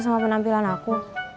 sama penampilan aku